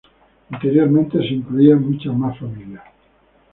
Anteriormente se incluía muchas más familias.